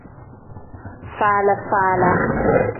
Faala-faala.